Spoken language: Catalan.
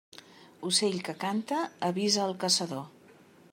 Ocell que canta avisa el caçador.